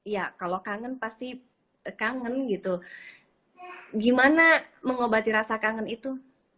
ya kalau kangen pasti kangen gitu gimana mengobati rasa kangen itu